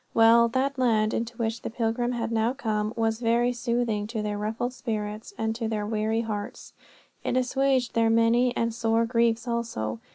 Well, that land into which the pilgrims had now come was very soothing to their ruffled spirits and to their weary hearts. It assuaged their many and sore griefs also.